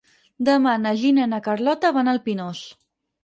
Demà na Gina i na Carlota van al Pinós.